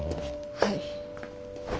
はい。